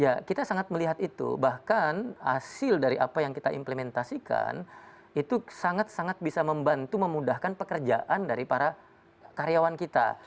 ya kita sangat melihat itu bahkan hasil dari apa yang kita implementasikan itu sangat sangat bisa membantu memudahkan pekerjaan dari para karyawan kita